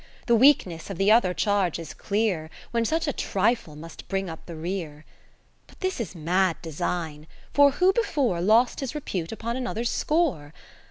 The weakness of the other charge is clear, When such a trifle must bring lip the rear. But this is mad design, for who before Lost his repute upon another's score